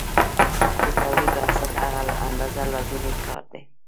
د تولید بنسټ هغه اندازه لازمي کار دی